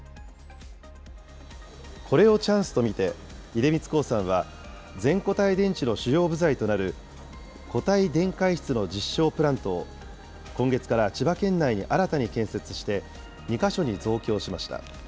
これをチャンスと見て、出光興産は、全固体電池の主要部材となる、固体電解質の実証プラントを、今月から千葉県内に新たに建設して、２か所に増強しました。